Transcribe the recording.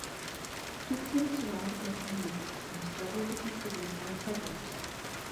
Hixson is surrounded by communities from several different cities and suburbs.